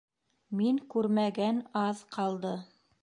Мин күрмәгән аҙ ҡалды